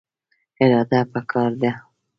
اراده پکار ده